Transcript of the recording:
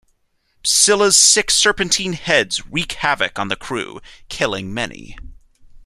Scylla's six serpentine heads wreak havoc on the crew, killing many.